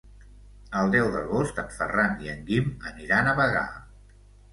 El deu d'agost en Ferran i en Guim iran a Bagà.